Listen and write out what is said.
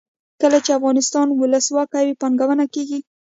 کله چې افغانستان کې ولسواکي وي پانګونه کیږي.